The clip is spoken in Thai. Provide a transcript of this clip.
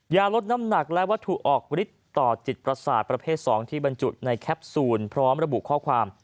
ยาลดน้ำหนักและวัตถุออกฤทธิ์ต่อจิตประสาทประเภท๒ที่บรรจุในแคปซูลพร้อมระบุข้อความ